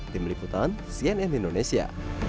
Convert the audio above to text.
tim liputan cnn indonesia